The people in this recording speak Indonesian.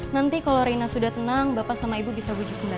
nanti kalau rina sudah tenang bapak sama ibu bisa bujuk kembali